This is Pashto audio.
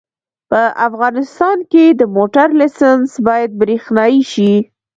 په افغانستان کې د موټر لېسنس باید برېښنایي شي